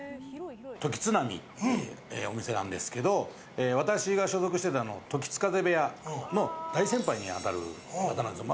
時津浪ってお店なんですけど私が所属していた時津風部屋の大先輩に当たる方なんですよ。